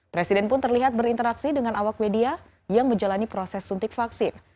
presiden pun terlihat berinteraksi dengan awak media yang menjalani proses suntik vaksin